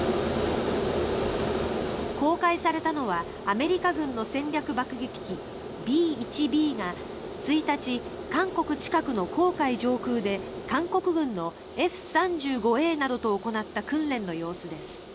公開されたのはアメリカ軍の戦略爆撃機Ｂ１Ｂが１日、韓国近くの黄海上空で韓国軍のＦ３５Ａなどと行った訓練の様子です。